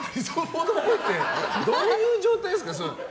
どういう状態ですか？